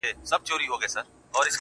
مه وايه دا چي اور وړي خوله كي